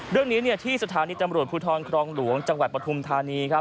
เรื่องนี้ที่สถานีตำรวจภูทรครองหลวงจังหวัดปฐุมธานีครับ